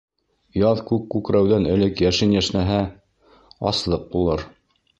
Яҙ күк күкрәүҙән элек йәшен йәшнәһә, аслыҡ булыр.